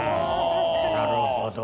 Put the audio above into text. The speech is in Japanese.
なるほど。